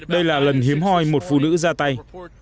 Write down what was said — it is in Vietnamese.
đây là lần hiếm hoi một phụ nữ ra tay